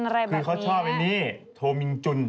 คือเขาชอบอันนี้โทมินจุน